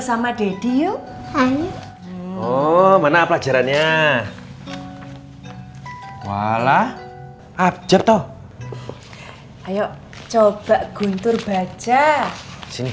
sama deddy yuk mana pelajarannya wala abjek toh ayo coba guntur baca sini